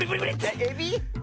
エビ？